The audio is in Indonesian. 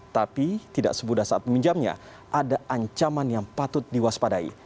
tapi tidak semudah saat meminjamnya ada ancaman yang patut diwaspadai